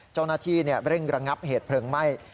เจ้าหน้าที่เร่งระงับเหตุเพลิงไหม้